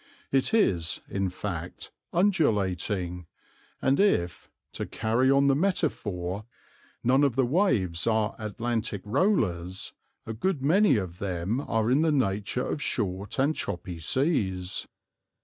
It is, in fact, undulating, and if, to carry on the metaphor, none of the waves are Atlantic rollers, a good many of them are in the nature of short and choppy seas.